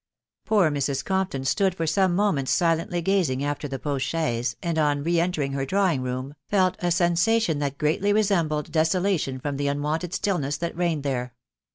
Poor Mrs. Compton stood for some moments silently gazing after the postchaise, and on re entering her drawing room, felt a sensation that greatly resembled desolation from the un wonted stillness that reigned there.